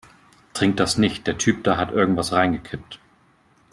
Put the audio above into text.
Trink das nicht, der Typ da hat irgendetwas reingekippt.